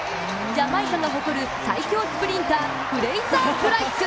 ジャマイカが誇る最強スプリンターフレイザー・プライス。